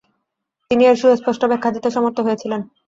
তিনি এর সুস্পষ্ট ব্যাখ্যা দিতে সমর্থ হয়েছিলেন।